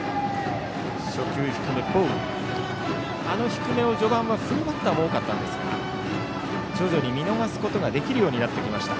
低めを、序盤は振るバッターが多かったんですが徐々に見逃すことができるようになってきました。